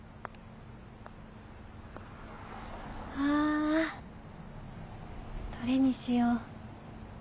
あどれにしよう。